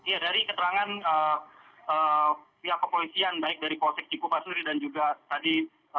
ya dari keterangan pihak kepolisian baik dari polsek cikupasuri dan juga tadi